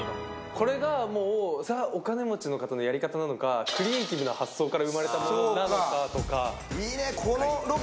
これが、もうザ・お金持ちの方がやるやり方なのか、クリエイティブな発想から生まれたものなのか。